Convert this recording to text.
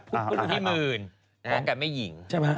พี่หมื่นกับแม่หญิง